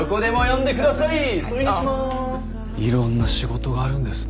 いろんな仕事があるんですね。